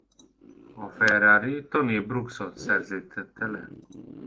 A Ferrari Tony Brooksot szerződtette le.